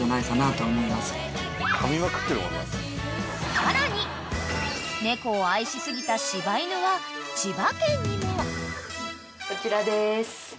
［さらに猫を愛し過ぎた柴犬は千葉県にも］こちらです。